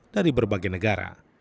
dari berbagai negara